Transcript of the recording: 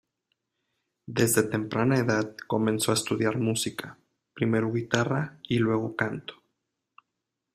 Desde temprana edad comenzó a estudiar música, primero guitarra y luego canto.